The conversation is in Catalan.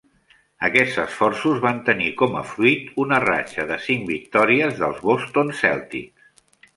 Aquests esforços van tenir com a fruit una ratxa de cinc victòries dels Boston Celtics.